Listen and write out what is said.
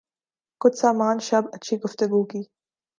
کچھ سامان شب اچھی گفتگو کی